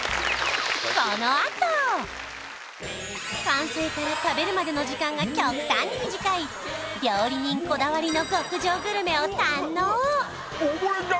完成から食べるまでの時間が極端に短い料理人こだわりの極上グルメを堪能